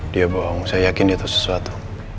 dia bohong saya yakin dia tau sesuatu